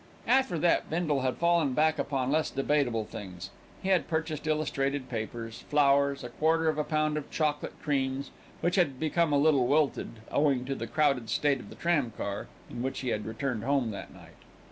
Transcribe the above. After that, Bindle had fallen back upon less debatable things. He had purchased illustrated papers, flowers, a quarter of a pound of chocolate creams, which had become a little wilted, owing to the crowded state of the tramcar in which he had returned home that night.